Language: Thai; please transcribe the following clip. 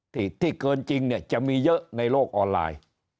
ที่เกินจริงเนี่ยจะมีเยอะในโลกออนไลน์